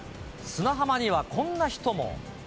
砂浜にはこんな人も。